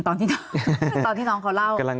ตอนที่น้องเขาเล่า